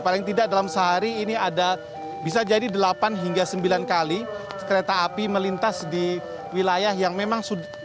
paling tidak dalam sehari ini ada bisa jadi delapan hingga sembilan kali kereta api melintas di wilayah yang memang sudah